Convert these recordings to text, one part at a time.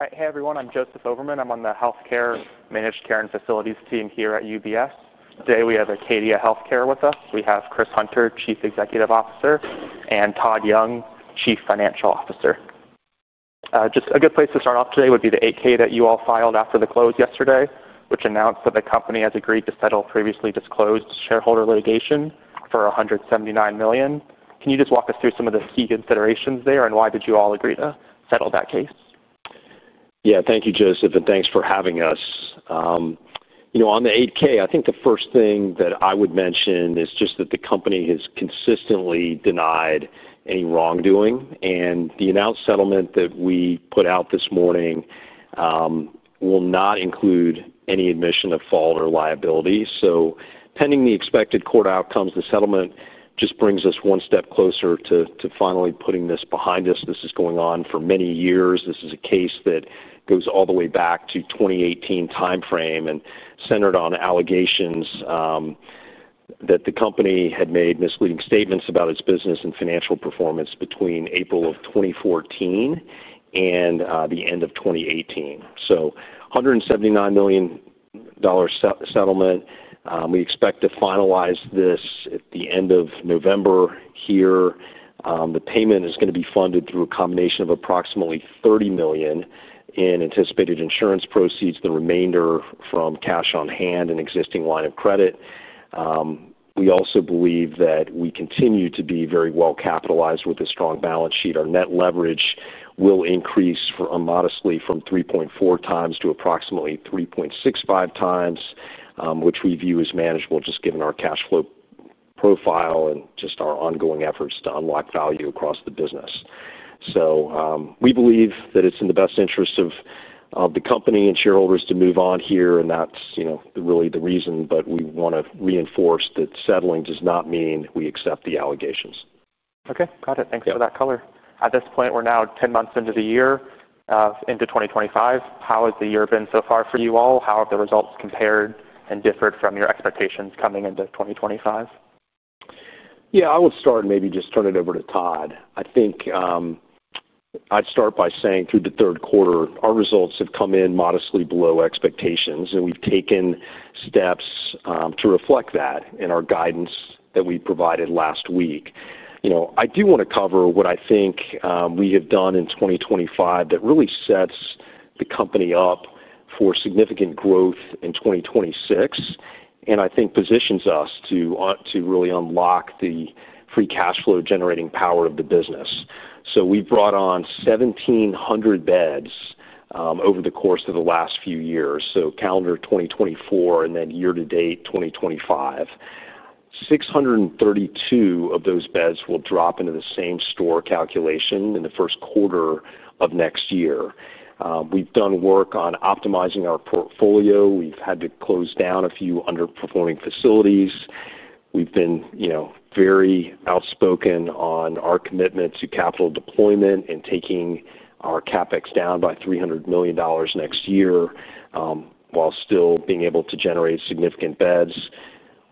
All right. Hey, everyone. I'm Joseph Overman. I'm on the Healthcare Managed Care and Facilities team here at UBS. Today we have Acadia Healthcare with us. We have Chris Hunter, Chief Executive Officer, and Todd Young, Chief Financial Officer. Just a good place to start off today would be the Form 8-K that you all filed after the close yesterday, which announced that the company has agreed to settle previously disclosed shareholder litigation for $179 million. Can you just walk us through some of the key considerations there, and why did you all agree to settle that case? Yeah. Thank you, Joseph, and thanks for having us. On the Form 8-K, I think the first thing that I would mention is just that the company has consistently denied any wrongdoing, and the announced settlement that we put out this morning will not include any admission of fault or liability. Pending the expected court outcomes, the settlement just brings us one step closer to finally putting this behind us. This has been going on for many years. This is a case that goes all the way back to the 2018 timeframe and centered on allegations that the company had made misleading statements about its business and financial performance between April of 2014 and the end of 2018. A $179 million settlement. We expect to finalize this at the end of November here. The payment is going to be funded through a combination of approximately $30 million in anticipated insurance proceeds, the remainder from cash on hand and existing line of credit. We also believe that we continue to be very well capitalized with a strong balance sheet. Our net leverage will increase modestly from 3.4x to approximately 3.65x, which we view as manageable just given our cash flow profile and just our ongoing efforts to unlock value across the business. We believe that it's in the best interest of the company and shareholders to move on here, and that's really the reason. We want to reinforce that settling does not mean we accept the allegations. Okay. Got it. Thanks for that color. At this point, we're now 10 months into the year into 2025. How has the year been so far for you all? How have the results compared and differed from your expectations coming into 2025? Yeah. I would start and maybe just turn it over to Todd. I think I'd start by saying through the third quarter, our results have come in modestly below expectations, and we've taken steps to reflect that in our guidance that we provided last week. I do want to cover what I think we have done in 2025 that really sets the company up for significant growth in 2026, and I think positions us to really unlock the free cash flow generating power of the business. We've brought on 1,700 beds over the course of the last few years, so calendar 2024 and then year to date 2025. 632 of those beds will drop into the same store calculation in the first quarter of next year. We've done work on optimizing our portfolio. We've had to close down a few underperforming facilities. We've been very outspoken on our commitment to capital deployment and taking our CapEx down by $300 million next year while still being able to generate significant beds.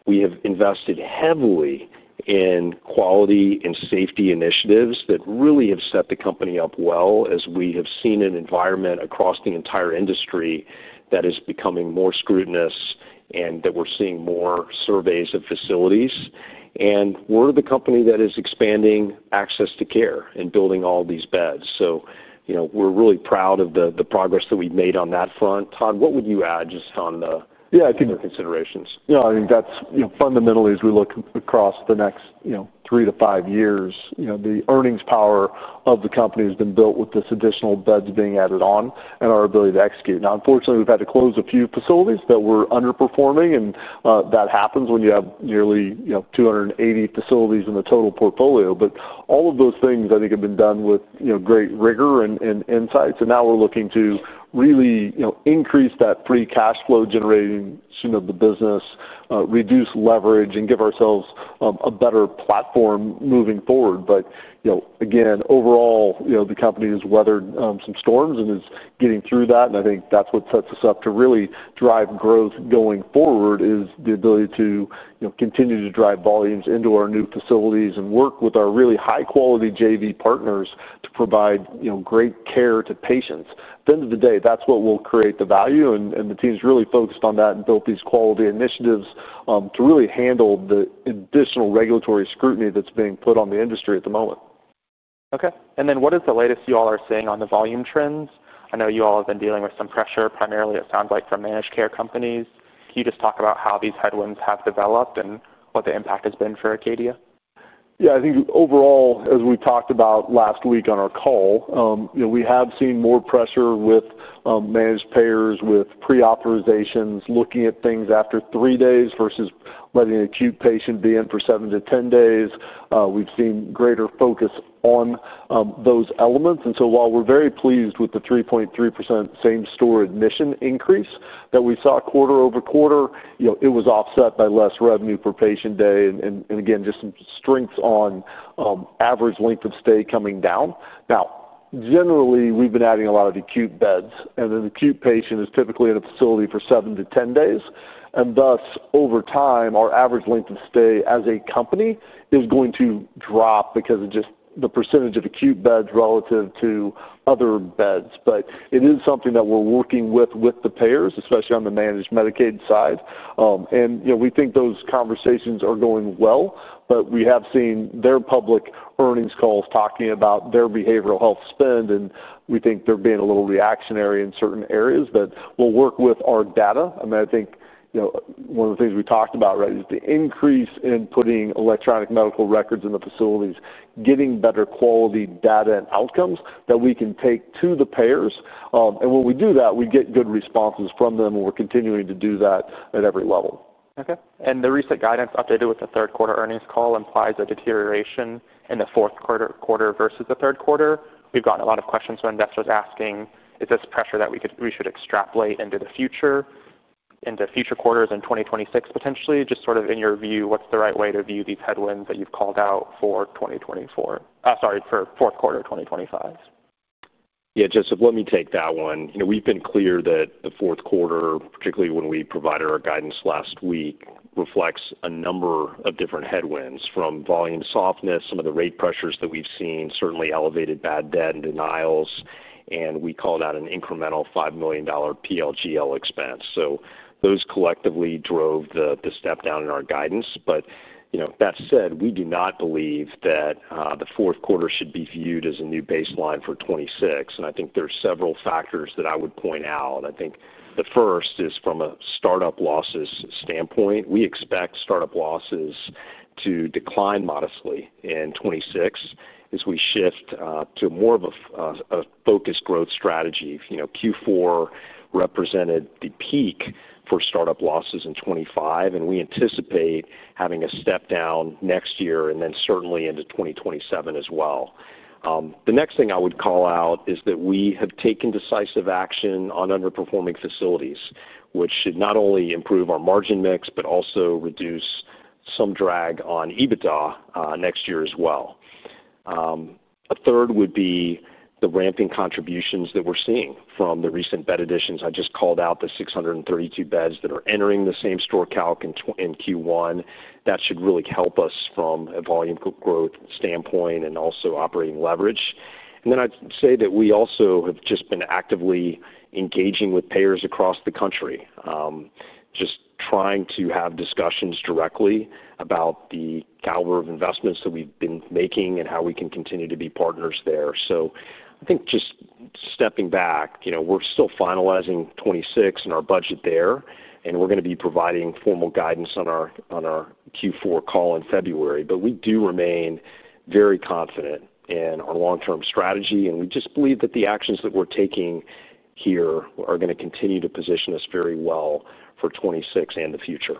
We have invested heavily in quality and safety initiatives that really have set the company up well, as we have seen an environment across the entire industry that is becoming more scrutinous and that we're seeing more surveys of facilities. We are the company that is expanding access to care and building all these beds. We are really proud of the progress that we've made on that front. Todd, what would you add just on the considerations? Yeah. I think that's fundamentally, as we look across the next three to five years, the earnings power of the company has been built with this additional beds being added on and our ability to execute. Now, unfortunately, we've had to close a few facilities that were underperforming, and that happens when you have nearly 280 facilities in the total portfolio. All of those things, I think, have been done with great rigor and insights. Now we're looking to really increase that free cash flow generating the business, reduce leverage, and give ourselves a better platform moving forward. Again, overall, the company has weathered some storms and is getting through that. I think that's what sets us up to really drive growth going forward is the ability to continue to drive volumes into our new facilities and work with our really high-quality JV partners to provide great care to patients. At the end of the day, that's what will create the value. The team's really focused on that and built these quality initiatives to really handle the additional regulatory scrutiny that's being put on the industry at the moment. Okay. What is the latest you all are seeing on the volume trends? I know you all have been dealing with some pressure, primarily, it sounds like, from managed care companies. Can you just talk about how these headwinds have developed and what the impact has been for Acadia? Yeah. I think overall, as we talked about last week on our call, we have seen more pressure with managed payers, with pre-authorizations, looking at things after three days versus letting an acute patient be in for seven to 10 days. We have seen greater focus on those elements. While we are very pleased with the 3.3% same store admission increase that we saw quarter-over-quarter, it was offset by less revenue per patient day. Again, just some strengths on average length of stay coming down. Now, generally, we have been adding a lot of acute beds. An acute patient is typically in a facility for seven to 10 days. Thus, over time, our average length of stay as a company is going to drop because of just the percentage of acute beds relative to other beds. It is something that we're working with the payers, especially on the managed Medicaid side. We think those conversations are going well. We have seen their public earnings calls talking about their behavioral health spend, and we think they're being a little reactionary in certain areas. We'll work with our data. I mean, I think one of the things we talked about, right, is the increase in putting electronic medical records in the facilities, getting better quality data and outcomes that we can take to the payers. When we do that, we get good responses from them, and we're continuing to do that at every level. Okay. The recent guidance updated with the third quarter earnings call implies a deterioration in the fourth quarter versus the third quarter. We've gotten a lot of questions from investors asking, "Is this pressure that we should extrapolate into the future, into future quarters in 2026, potentially?" Just sort of in your view, what's the right way to view these headwinds that you've called out for 2024? Sorry, for fourth quarter 2025. Yeah. Joseph, let me take that one. We've been clear that the fourth quarter, particularly when we provided our guidance last week, reflects a number of different headwinds from volume softness, some of the rate pressures that we've seen, certainly elevated bad debt and denials. We called out an incremental $5 million PLGL expense. Those collectively drove the step down in our guidance. That said, we do not believe that the fourth quarter should be viewed as a new baseline for 2026. I think there are several factors that I would point out. I think the first is from a startup losses standpoint. We expect startup losses to decline modestly in 2026 as we shift to more of a focused growth strategy. Q4 represented the peak for startup losses in 2025, and we anticipate having a step down next year and then certainly into 2027 as well. The next thing I would call out is that we have taken decisive action on underperforming facilities, which should not only improve our margin mix but also reduce some drag on EBITDA next year as well. 1/3 would be the ramping contributions that we're seeing from the recent bed additions. I just called out the 632 beds that are entering the same store calc in Q1. That should really help us from a volume growth standpoint and also operating leverage. I would say that we also have just been actively engaging with payers across the country, just trying to have discussions directly about the caliber of investments that we've been making and how we can continue to be partners there. I think just stepping back, we're still finalizing 2026 and our budget there, and we're going to be providing formal guidance on our Q4 call in February. We do remain very confident in our long-term strategy, and we just believe that the actions that we're taking here are going to continue to position us very well for 2026 and the future.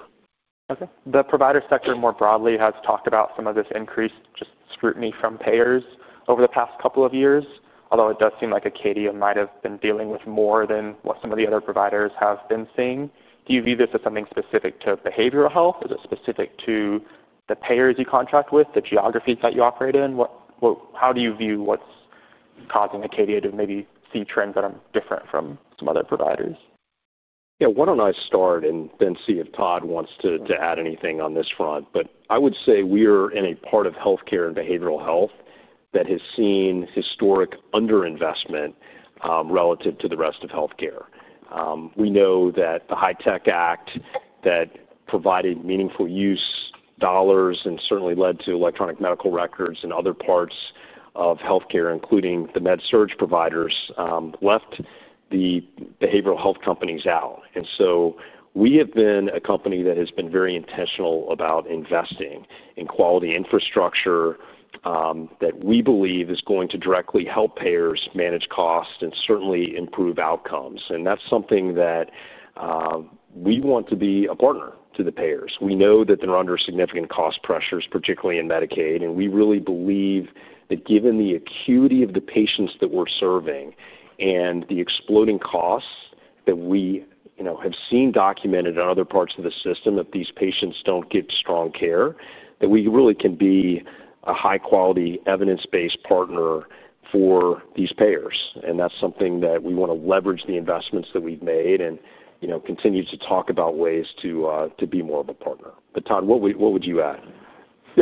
Okay. The provider sector more broadly has talked about some of this increased just scrutiny from payers over the past couple of years, although it does seem like Acadia might have been dealing with more than what some of the other providers have been seeing. Do you view this as something specific to behavioral health? Is it specific to the payers you contract with, the geographies that you operate in? How do you view what's causing Acadia to maybe see trends that are different from some other providers? Yeah. Why don't I start and then see if Todd wants to add anything on this front. I would say we are in a part of healthcare and behavioral health that has seen historic underinvestment relative to the rest of healthcare. We know that the HITECH Act that provided meaningful use dollars and certainly led to electronic medical records in other parts of healthcare, including the med-surg providers, left the behavioral health companies out. We have been a company that has been very intentional about investing in quality infrastructure that we believe is going to directly help payers manage costs and certainly improve outcomes. That's something that we want to be a partner to the payers. We know that they're under significant cost pressures, particularly in Medicaid. We really believe that given the acuity of the patients that we're serving and the exploding costs that we have seen documented in other parts of the system, if these patients don't get strong care, that we really can be a high-quality evidence-based partner for these payers. That is something that we want to leverage the investments that we've made and continue to talk about ways to be more of a partner. Todd, what would you add? Yeah.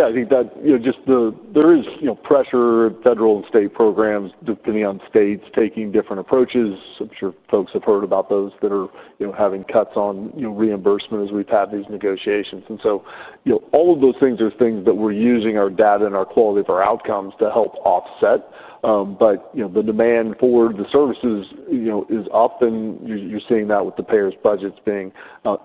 I think that just there is pressure in federal and state programs depending on states taking different approaches. I'm sure folks have heard about those that are having cuts on reimbursement as we've had these negotiations. All of those things are things that we're using our data and our quality of our outcomes to help offset. The demand for the services is often you're seeing that with the payers' budgets being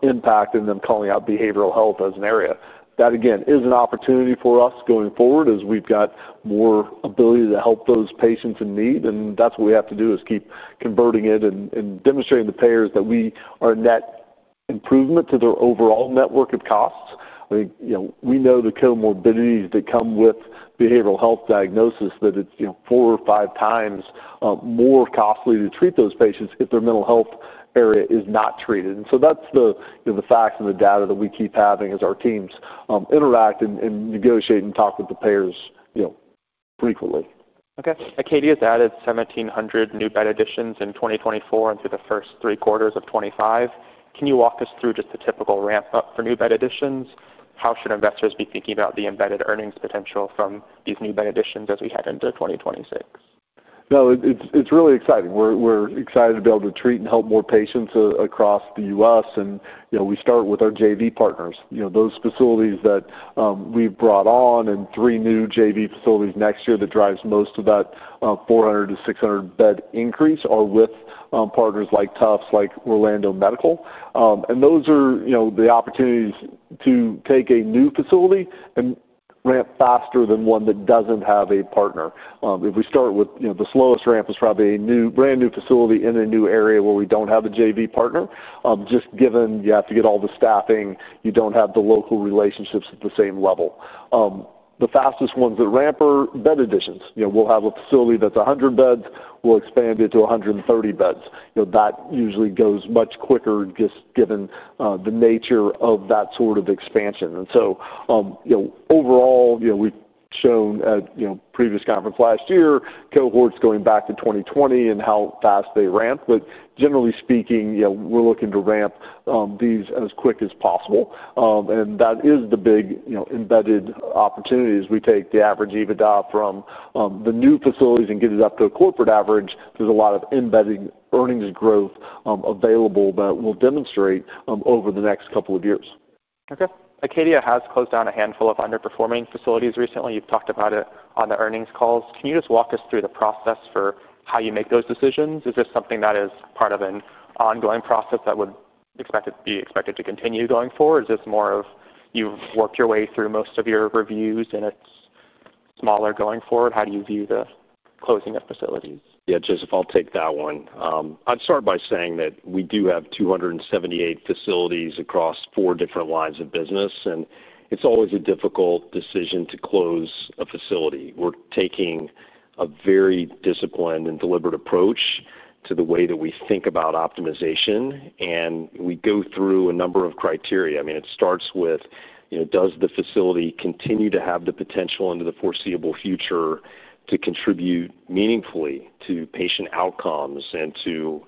impacted and them calling out behavioral health as an area. That, again, is an opportunity for us going forward as we've got more ability to help those patients in need. That's what we have to do is keep converting it and demonstrating to payers that we are a net improvement to their overall network of costs. I think we know the comorbidities that come with behavioral health diagnosis, that it is 4x or 5x more costly to treat those patients if their mental health area is not treated. That is the facts and the data that we keep having as our teams interact and negotiate and talk with the payers frequently. Okay. Acadia's added 1,700 new bed additions in 2024 and through the first three quarters of 2025. Can you walk us through just the typical ramp-up for new bed additions? How should investors be thinking about the embedded earnings potential from these new bed additions as we head into 2026? Yeah. It's really exciting. We're excited to be able to treat and help more patients across the U.S. We start with our JV partners. Those facilities that we've brought on and three new JV facilities next year that drives most of that 400-600 bed increase are with partners like Tufts, like Orlando Health. Those are the opportunities to take a new facility and ramp faster than one that doesn't have a partner. If we start with the slowest ramp, it's probably a brand new facility in a new area where we don't have a JV partner, just given you have to get all the staffing, you don't have the local relationships at the same level. The fastest ones that ramp are bed additions. We'll have a facility that's 100 beds. We'll expand it to 130 beds. That usually goes much quicker just given the nature of that sort of expansion. Overall, we've shown at previous conference last year cohorts going back to 2020 and how fast they ramp. Generally speaking, we're looking to ramp these as quick as possible. That is the big embedded opportunity as we take the average EBITDA from the new facilities and get it up to a corporate average. There's a lot of embedded earnings growth available that we'll demonstrate over the next couple of years. Okay. Acadia has closed down a handful of underperforming facilities recently. You've talked about it on the earnings calls. Can you just walk us through the process for how you make those decisions? Is this something that is part of an ongoing process that would be expected to continue going forward? Is this more of you've worked your way through most of your reviews and it's smaller going forward? How do you view the closing of facilities? Yeah. Joseph, I'll take that one. I'd start by saying that we do have 278 facilities across four different lines of business. It's always a difficult decision to close a facility. We're taking a very disciplined and deliberate approach to the way that we think about optimization. We go through a number of criteria. I mean, it starts with, does the facility continue to have the potential into the foreseeable future to contribute meaningfully to patient outcomes and to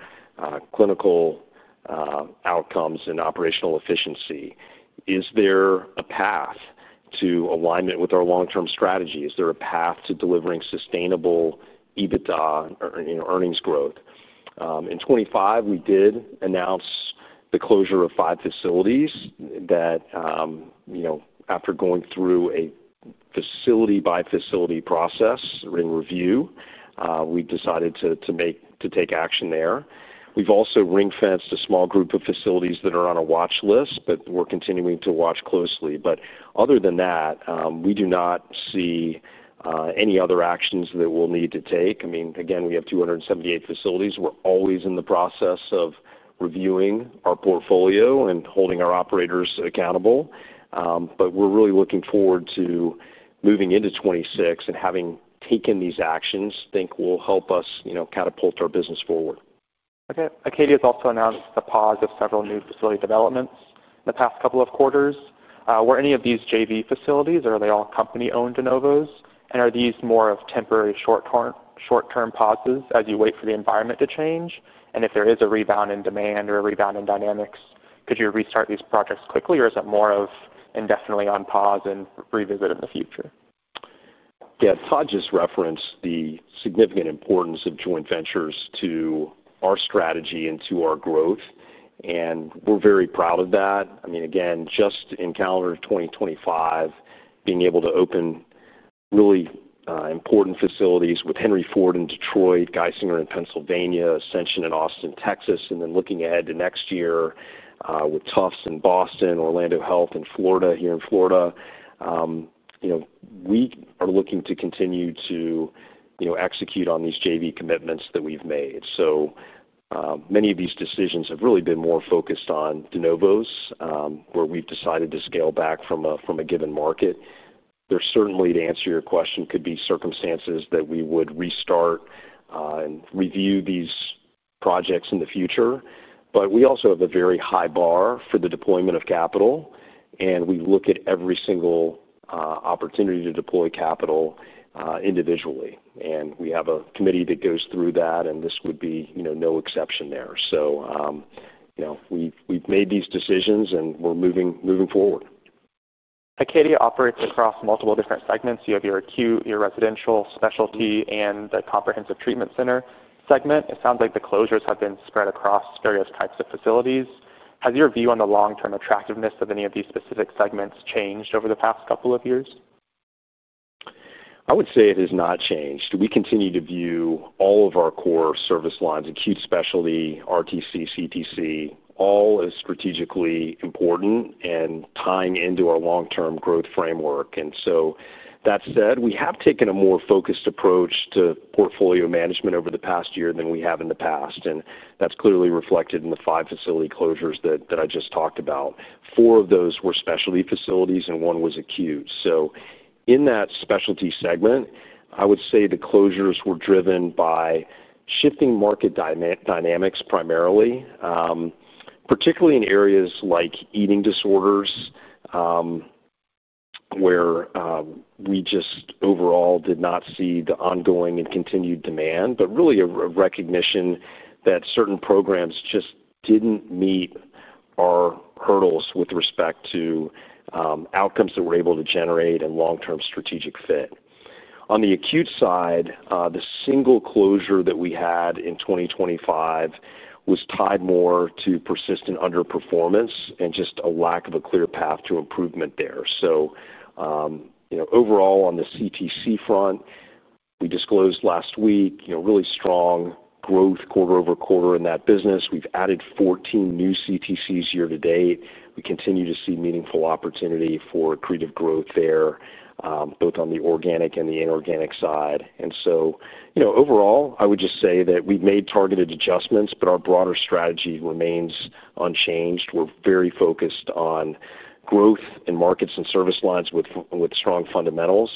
clinical outcomes and operational efficiency? Is there a path to alignment with our long-term strategy? Is there a path to delivering sustainable EBITDA or earnings growth? In 2025, we did announce the closure of five facilities that after going through a facility-by-facility process and review, we decided to take action there. We've also ring-fenced a small group of facilities that are on a watch list, but we're continuing to watch closely. Other than that, we do not see any other actions that we'll need to take. I mean, again, we have 278 facilities. We're always in the process of reviewing our portfolio and holding our operators accountable. We're really looking forward to moving into 2026 and having taken these actions think will help us catapult our business forward. Okay. Acadia has also announced a pause of several new facility developments in the past couple of quarters. Were any of these JV facilities, or are they all company-owned de novos? Are these more of temporary short-term pauses as you wait for the environment to change? If there is a rebound in demand or a rebound in dynamics, could you restart these projects quickly, or is it more of indefinitely on pause and revisit in the future? Yeah. Todd just referenced the significant importance of joint ventures to our strategy and to our growth. We're very proud of that. I mean, again, just in calendar 2025, being able to open really important facilities with Henry Ford in Detroit, Geisinger in Pennsylvania, Ascension in Austin, Texas, and then looking ahead to next year with Tufts in Boston, Orlando Health in Florida, here in Florida, we are looking to continue to execute on these JV commitments that we've made. Many of these decisions have really been more focused on de novos, where we've decided to scale back from a given market. There certainly, to answer your question, could be circumstances that we would restart and review these projects in the future. We also have a very high bar for the deployment of capital. We look at every single opportunity to deploy capital individually. We have a committee that goes through that. This would be no exception there. We have made these decisions, and we are moving forward. Acadia operates across multiple different segments. You have your acute, your residential specialty, and the comprehensive treatment center segment. It sounds like the closures have been spread across various types of facilities. Has your view on the long-term attractiveness of any of these specific segments changed over the past couple of years? I would say it has not changed. We continue to view all of our core service lines, acute, specialty, RTC, CTC, all as strategically important and tying into our long-term growth framework. That said, we have taken a more focused approach to portfolio management over the past year than we have in the past. That is clearly reflected in the five facility closures that I just talked about. Four of those were specialty facilities, and one was acute. In that specialty segment, I would say the closures were driven by shifting market dynamics primarily, particularly in areas like eating disorders, where we just overall did not see the ongoing and continued demand, but really a recognition that certain programs just did not meet our hurdles with respect to outcomes that we are able to generate and long-term strategic fit. On the acute side, the single closure that we had in 2025 was tied more to persistent underperformance and just a lack of a clear path to improvement there. Overall, on the CTC front, we disclosed last week really strong growth quarter-over-quarter in that business. We've added 14 new CTCs year to date. We continue to see meaningful opportunity for creative growth there, both on the organic and the inorganic side. Overall, I would just say that we've made targeted adjustments, but our broader strategy remains unchanged. We're very focused on growth in markets and service lines with strong fundamentals.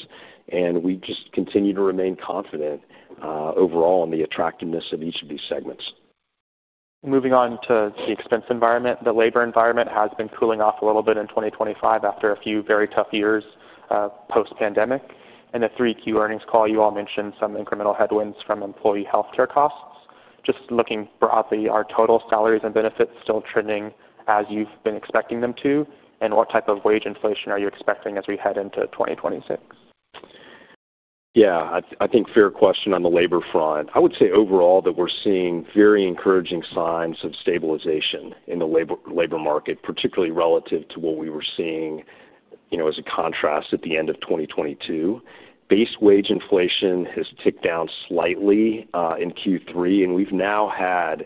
We just continue to remain confident overall in the attractiveness of each of these segments. Moving on to the expense environment. The labor environment has been cooling off a little bit in 2025 after a few very tough years post-pandemic. In the 3Q earnings call, you all mentioned some incremental headwinds from employee healthcare costs. Just looking broadly, are total salaries and benefits still trending as you've been expecting them to? What type of wage inflation are you expecting as we head into 2026? Yeah. I think fair question on the labor front. I would say overall that we're seeing very encouraging signs of stabilization in the labor market, particularly relative to what we were seeing as a contrast at the end of 2022. Base wage inflation has ticked down slightly in Q3. We've now had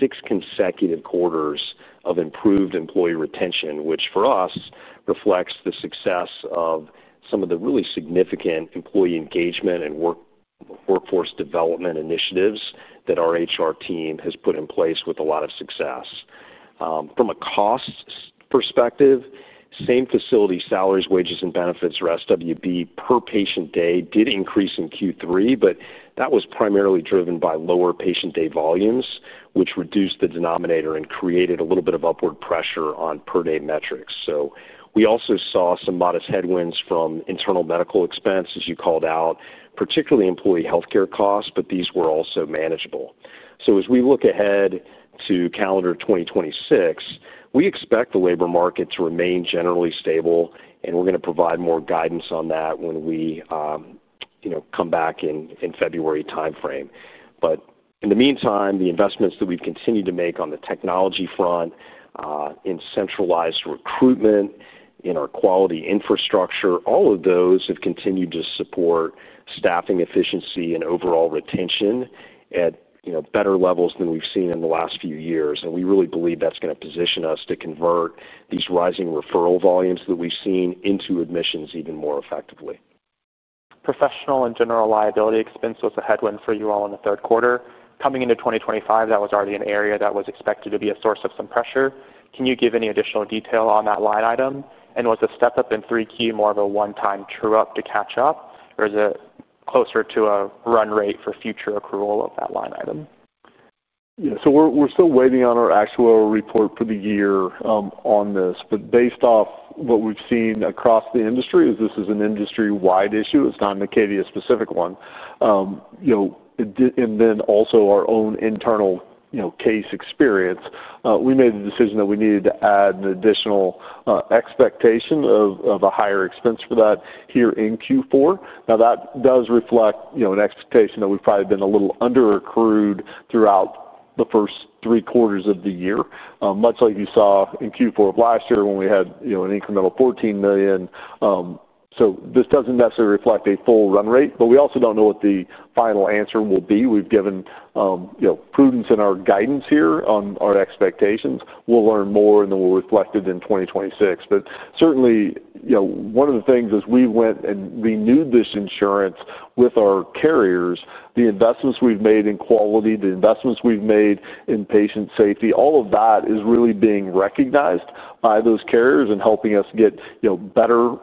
six consecutive quarters of improved employee retention, which for us reflects the success of some of the really significant employee engagement and workforce development initiatives that our HR team has put in place with a lot of success. From a cost perspective, same facility salaries, wages, and benefits for SWB per patient day did increase in Q3, but that was primarily driven by lower patient day volumes, which reduced the denominator and created a little bit of upward pressure on per-day metrics. We also saw some modest headwinds from internal medical expense, as you called out, particularly employee healthcare costs, but these were also manageable. As we look ahead to calendar 2026, we expect the labor market to remain generally stable. We're going to provide more guidance on that when we come back in February timeframe. In the meantime, the investments that we've continued to make on the technology front, in centralized recruitment, in our quality infrastructure, all of those have continued to support staffing efficiency and overall retention at better levels than we've seen in the last few years. We really believe that's going to position us to convert these rising referral volumes that we've seen into admissions even more effectively. Professional and general liability expense was a headwind for you all in the third quarter. Coming into 2025, that was already an area that was expected to be a source of some pressure. Can you give any additional detail on that line item? Was the step-up in 3Q more of a one-time true-up to catch up? Or is it closer to a run rate for future accrual of that line item? Yeah. We're still waiting on our actual report for the year on this. Based off what we've seen across the industry, this is an industry-wide issue. It's not an Acadia-specific one. Also, our own internal case experience, we made the decision that we needed to add an additional expectation of a higher expense for that here in Q4. That does reflect an expectation that we've probably been a little under-accrued throughout the first three quarters of the year, much like you saw in Q4 of last year when we had an incremental $14 million. This doesn't necessarily reflect a full run rate, but we also don't know what the final answer will be. We've given prudence in our guidance here on our expectations. We'll learn more, and then we'll reflect it in 2026. Certainly, one of the things is we went and renewed this insurance with our carriers. The investments we've made in quality, the investments we've made in patient safety, all of that is really being recognized by those carriers and helping us get better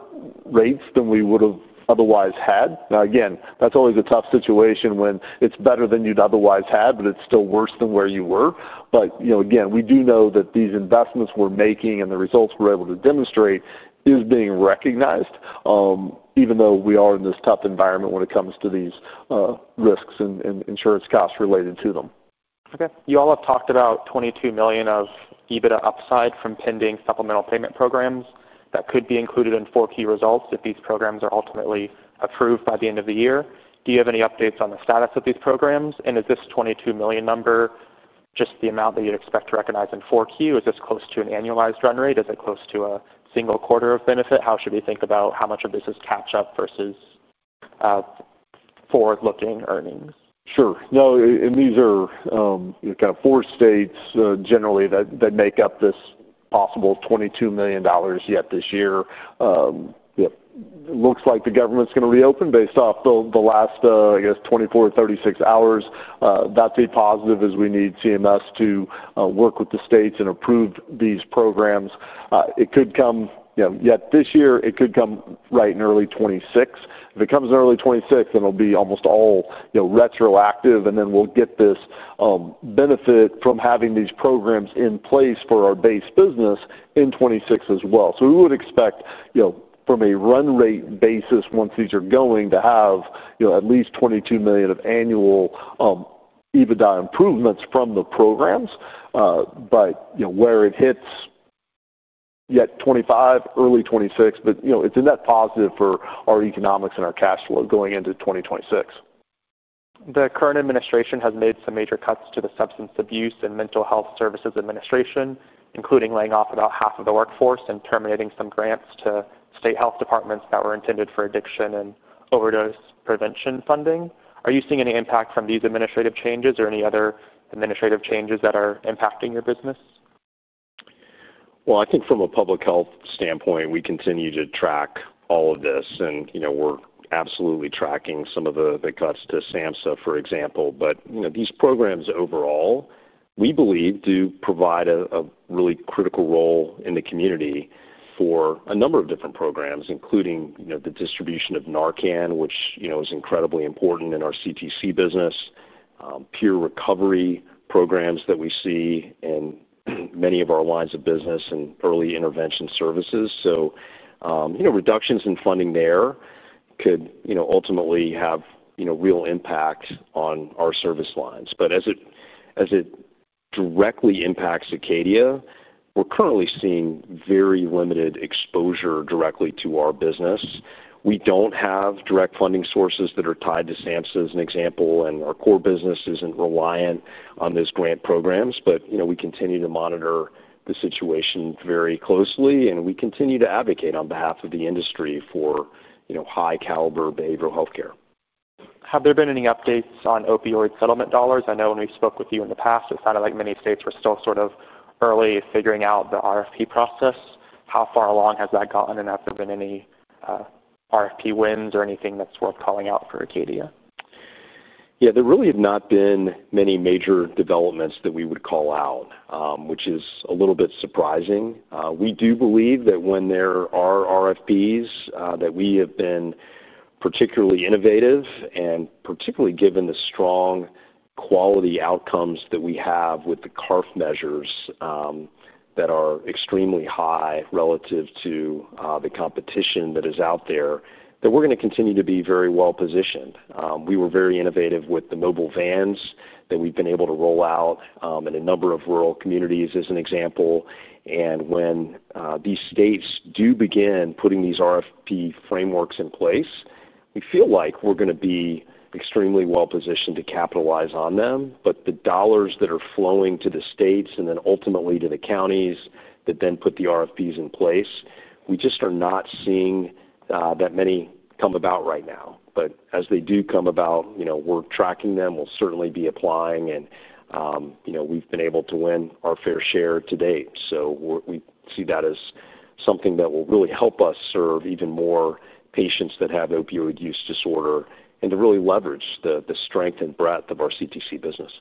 rates than we would have otherwise had. Now, again, that's always a tough situation when it's better than you'd otherwise had, but it's still worse than where you were. Again, we do know that these investments we're making and the results we're able to demonstrate are being recognized, even though we are in this tough environment when it comes to these risks and insurance costs related to them. Okay. You all have talked about $22 million of EBITDA upside from pending supplemental payment programs that could be included in 4Q results if these programs are ultimately approved by the end of the year. Do you have any updates on the status of these programs? Is this $22 million number just the amount that you'd expect to recognize in 4Q? Is this close to an annualized run rate? Is it close to a single quarter of benefit? How should we think about how much of this is catch-up versus forward-looking earnings? Sure. No, and these are kind of four states generally that make up this possible $22 million yet this year. It looks like the government's going to reopen based off the last, I guess, 24 hours or 36 hours. That's a positive as we need CMS to work with the states and approve these programs. It could come yet this year. It could come right in early 2026. If it comes in early 2026, then it'll be almost all retroactive. We will get this benefit from having these programs in place for our base business in 2026 as well. We would expect from a run rate basis once these are going to have at least $22 million of annual EBITDA improvements from the programs. Where it hits yet 2025, early 2026, it's a net positive for our economics and our cash flow going into 2026. The current administration has made some major cuts to the Substance Abuse and Mental Health Services Administration, including laying off about half of the workforce and terminating some grants to state health departments that were intended for addiction and overdose prevention funding. Are you seeing any impact from these administrative changes or any other administrative changes that are impacting your business? I think from a public health standpoint, we continue to track all of this. We are absolutely tracking some of the cuts to SAMHSA, for example. These programs overall, we believe, do provide a really critical role in the community for a number of different programs, including the distribution of Narcan, which is incredibly important in our CTC business, peer recovery programs that we see in many of our lines of business, and early intervention services. Reductions in funding there could ultimately have real impact on our service lines. As it directly impacts Acadia, we are currently seeing very limited exposure directly to our business. We do not have direct funding sources that are tied to SAMHSA as an example. Our core business is not reliant on those grant programs. We continue to monitor the situation very closely. We continue to advocate on behalf of the industry for high-caliber behavioral healthcare. Have there been any updates on opioid settlement dollars? I know when we spoke with you in the past, it sounded like many states were still sort of early figuring out the RFP process. How far along has that gotten? Have there been any RFP wins or anything that's worth calling out for Acadia? Yeah. There really have not been many major developments that we would call out, which is a little bit surprising. We do believe that when there are RFPs that we have been particularly innovative and particularly given the strong quality outcomes that we have with the CARF measures that are extremely high relative to the competition that is out there, that we're going to continue to be very well positioned. We were very innovative with the mobile vans that we've been able to roll out in a number of rural communities as an example. When these states do begin putting these RFP frameworks in place, we feel like we're going to be extremely well positioned to capitalize on them. The dollars that are flowing to the states and then ultimately to the counties that then put the RFPs in place, we just are not seeing that many come about right now. As they do come about, we are tracking them. We will certainly be applying. We have been able to win our fair share to date. We see that as something that will really help us serve even more patients that have opioid use disorder and to really leverage the strength and breadth of our CTC business.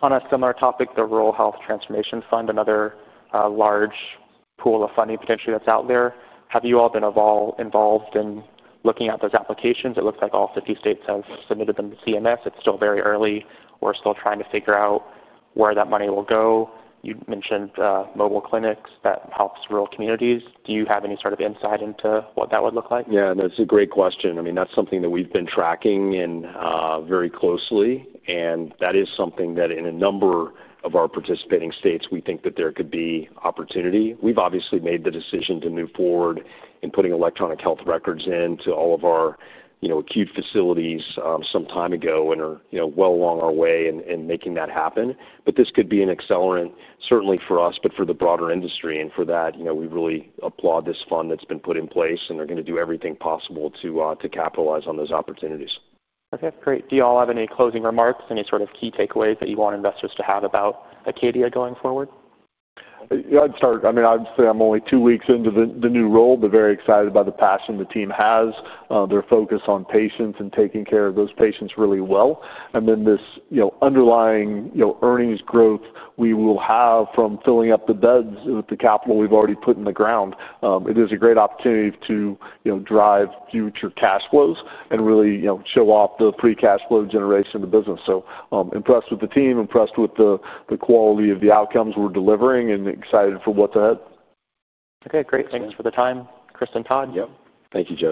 On a similar topic, the Rural Health Transformation fund, another large pool of funding potentially that's out there. Have you all been involved in looking at those applications? It looks like all 50 states have submitted them to CMS. It's still very early. We're still trying to figure out where that money will go. You mentioned mobile clinics that helps rural communities. Do you have any sort of insight into what that would look like? Yeah. No, it's a great question. I mean, that's something that we've been tracking very closely. That is something that in a number of our participating states, we think that there could be opportunity. We've obviously made the decision to move forward in putting electronic health records into all of our acute facilities some time ago and are well along our way in making that happen. This could be an accelerant certainly for us, for the broader industry. For that, we really applaud this fund that's been put in place. They're going to do everything possible to capitalize on those opportunities. Okay. Great. Do you all have any closing remarks, any sort of key takeaways that you want investors to have about Acadia going forward? Yeah. I'd start, I mean, I'd say I'm only two weeks into the new role, but very excited by the passion the team has, their focus on patients and taking care of those patients really well. Then this underlying earnings growth we will have from filling up the beds with the capital we've already put in the ground. It is a great opportunity to drive future cash flows and really show off the pre-cash flow generation of the business. So impressed with the team, impressed with the quality of the outcomes we're delivering, and excited for what's ahead. Okay. Great. Thanks for the time Chris and Todd. Yep. Thank you, Joseph.